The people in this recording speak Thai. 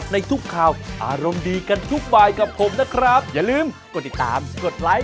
ดึงดึงดึงครับครับครับครับ